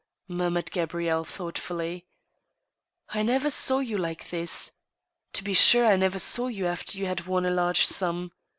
murmured Gabrielle. thoughtfully ;" I never saw you like this. ... To be sure, I never saw you after you had won a large sum.